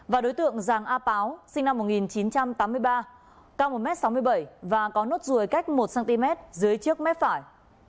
và đối tượng giàng a páo sinh năm một nghìn chín trăm tám mươi ba cao một m sáu mươi bảy và có nốt ruồi cách một cm dưới trước mép phải